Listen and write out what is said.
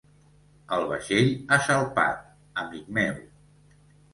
El vaixell ha salpat, amic meu.